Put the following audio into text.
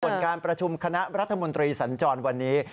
ส่วนการประชุมคณะรัฐมนตรีสัญจรวันนี้